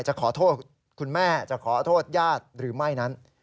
จะขอโทษคุณแม่จะขอโทษญาติหรือไม่นั้น